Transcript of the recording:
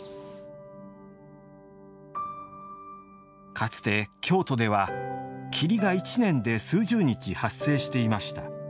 かつて京都では、霧が１年で数十日発生していました。